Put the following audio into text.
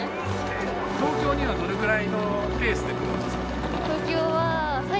東京にはどれぐらいのペースで来るんですか？